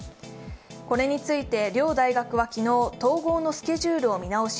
これについて両大学は昨日、スケジュールを見直し